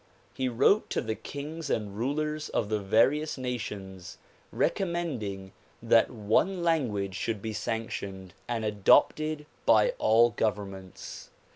He wrote to the kings and rulers of the various nations recommending that one language should be sanctioned and adopted by all governments.